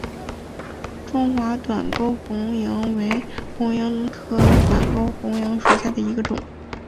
中华短沟红萤为红萤科短沟红萤属下的一个种。